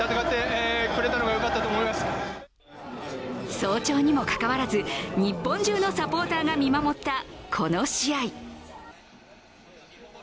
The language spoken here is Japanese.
早朝にもかかわらず日本中のサポーターが見守った、この試合。